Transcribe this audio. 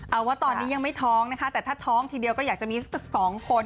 เอาว่าตอนนี้ยังไม่ท้องนะคะแต่ถ้าท้องทีเดียวก็อยากจะมีสัก๒คน